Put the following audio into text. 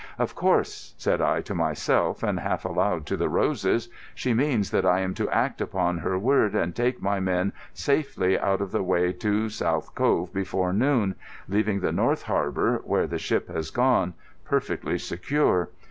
"Of course," said I to myself, and half aloud to the roses, "she means that I am to act upon her word and take my men safely out of the way to South Cove before noon, leaving the North Harbour, where the ship has gone, perfectly secure.